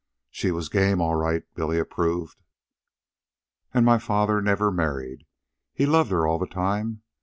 "She was game, all right," Billy approved. "And my father never married. He loved her all the time.